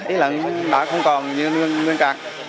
ý là đã không còn như nguyên trạng